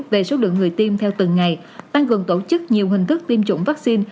về số lượng người tiêm theo từng ngày tăng cường tổ chức nhiều hình thức tiêm chủng vaccine